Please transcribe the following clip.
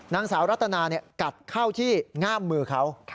นางสาวรัตนากัดเข้าที่ง่ามมือเขา